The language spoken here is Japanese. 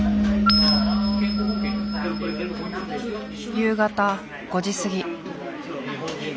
夕方５時過ぎ。